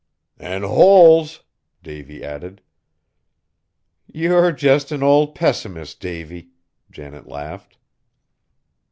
"An' holes!" Davy added. "You're just an old pessimist, Davy." Janet laughed.